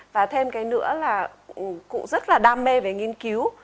và thêm cái nữa là cụ rất là đam mê về nghiên cứu